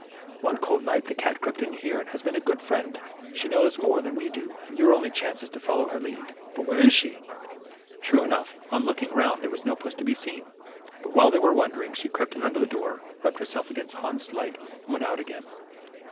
One cold night the cat crept in here, and has been a good friend. She knows more than we do, and your only chance is to follow her lead. But where is she ?" True enough, on looking round there was no puss to be seen. But while they were wondering, she crept in under the door, rubbed herself against Hans' legs, and went out again.